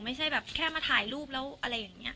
ไม่ใช่แบบแค่มาถ่ายรูปแล้วอะไรอย่างนี้